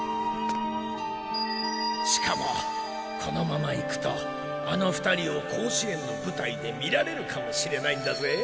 しかもこのままいくとあの２人を甲子園の舞台で見られるかもしれないんだぜ。